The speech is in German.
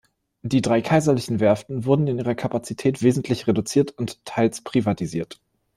Die drei Kaiserlichen Werften wurden in ihrer Kapazität wesentlich reduziert und teils privatisiert.